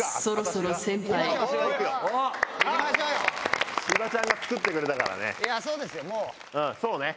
そうですよもう。